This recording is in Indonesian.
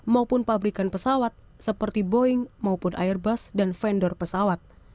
maupun pabrikan pesawat seperti boeing maupun airbus dan vendor pesawat